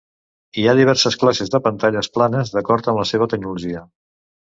Hi ha diverses classes de pantalles planes d'acord amb la seva tecnologia.